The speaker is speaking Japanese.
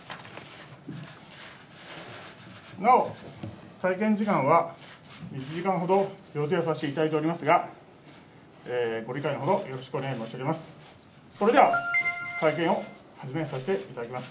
なお、会見時間は１時間ほど予定させていただいておりますが、ご理解のほど、よろしくお願い申し上げます。